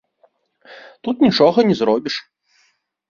Тут нічога не зробіш.